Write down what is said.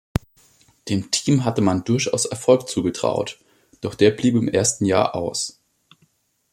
Dem Team hatte man durchaus Erfolg zugetraut, doch der blieb im ersten Jahr aus.